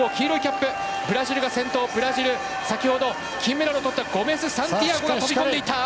ブラジルは先ほど金メダルをとったゴメスサンティアゴが飛び込んだ！